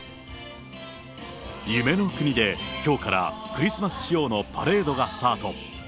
夢の国できょうからクリスマス仕様のパレードがスタート。